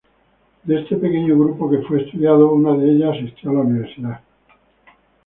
De este pequeño grupo que fue estudiado, una de ellas asistió a la universidad.